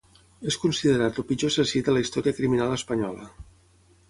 És considerat el pitjor assassí de la història criminal espanyola.